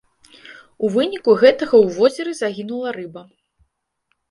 У выніку гэтага ў возеры загінула рыба.